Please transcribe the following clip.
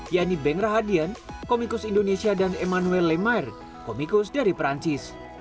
yaitu beng rahadian komikus indonesia dan emmanuel lemair komikus dari perancis